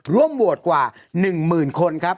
ร่วมโหวตกว่า๑หมื่นคนครับ